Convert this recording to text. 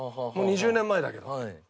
もう２０年前だけど。